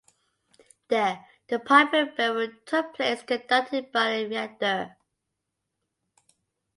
There, the private burial took place, conducted by the rector.